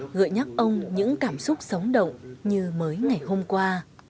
gợi nhắc ông những cảm xúc sống động như mới ngày hôm qua